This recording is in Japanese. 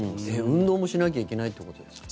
運動もしなきゃいけないということですか？